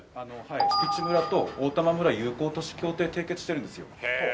マチュピチュ村と大玉村、友好都市協定締結してるんですよ。